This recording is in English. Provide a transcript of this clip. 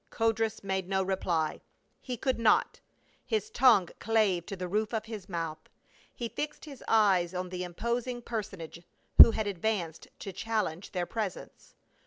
Codrus made no reply ; he could not, his tongue clave to the roof of his mouth. He fixed liis eyes on the imposing personage who had advanced to chal lenge their presence.